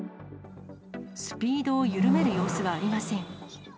スピードを緩める様子はありません。